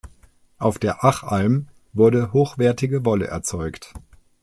Auf der Achalm wurde hochwertige Wolle erzeugt.